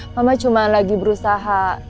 mama cuma lagi berusaha